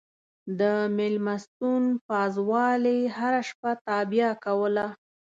د مېلمستون پازوالې هره شپه تابیا کوله.